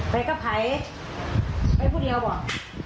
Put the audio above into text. ไปกับใครไม่พูดเลยว่า